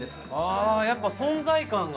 ああやっぱ存在感が。